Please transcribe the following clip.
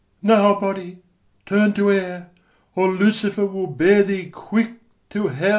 Now, body, turn to air, Or Lucifer will bear thee quick to hell!